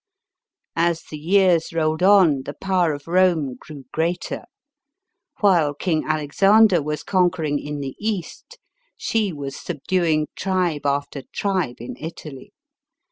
As the years rolled on, the power of Home grew greater. While King Alexander was conquering in the East, she was subduing tribe after tribe in Italy.